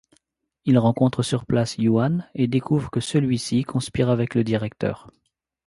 Il rencontre sur place Yuan et découvre que celui-ci conspire avec le directeur.